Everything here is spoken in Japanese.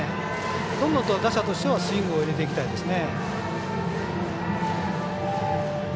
どんどん打者としてはスイング入れていきたいですね。